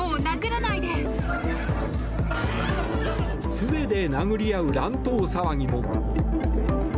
杖で殴り合う乱闘騒ぎも。